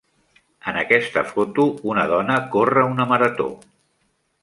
En aquesta foto, una dona corre una marató.